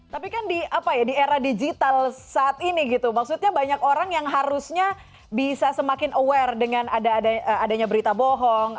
tapi kan di apa ya di era digital saat ini gitu maksudnya banyak orang yang harusnya bisa semakin aware dengan adanya berita bohong